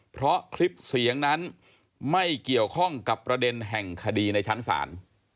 เพราะคลิปเสียงนั้นไม่เกี่ยวข้องกับประเด็นแห่งคดีในชั้นศาล